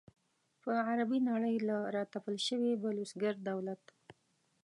پر عربي نړۍ له را تپل شوي بلوسګر دولت.